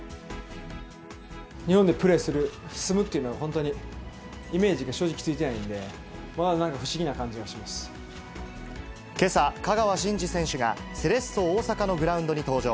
日本でプレーする、住むっていうのは、本当にイメージが正直ついてないんで、まだなんか不思けさ、香川真司選手がセレッソ大阪のグラウンドに登場。